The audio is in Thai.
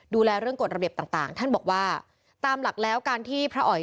เรื่องกฎระเบียบต่างท่านบอกว่าตามหลักแล้วการที่พระอ๋อย